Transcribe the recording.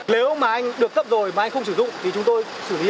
nếu mà anh được cấp rồi mà anh không sử dụng thì chúng tôi